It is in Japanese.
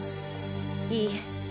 いいえ。